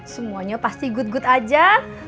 semuanya pasti good good aja